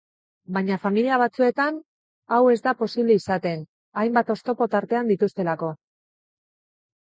Baina familia batzuetan hau ez da posible izaten, hainbat oztopo tartean dituztelako.